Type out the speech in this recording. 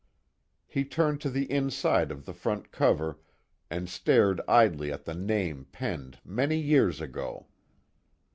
He turned to the inside of the front cover and stared idly at the name penned many years ago.